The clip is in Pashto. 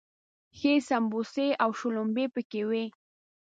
ښې سمبوسې او شلومبې پکې وي.